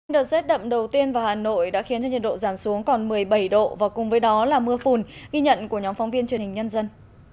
đợt rét đậm đầu tiên vào hà nội đã khiến cho nhiệt độ giảm xuống còn một mươi bảy độ và cùng với đó là mưa phùn ghi nhận của nhóm phóng viên truyền hình nhân dân